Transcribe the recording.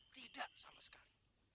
tidak sama sekali